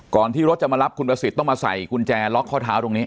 ที่รถจะมารับคุณประสิทธิ์ต้องมาใส่กุญแจล็อกข้อเท้าตรงนี้